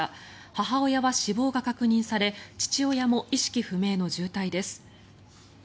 母親は死亡が確認され父親も意識不明の重体です。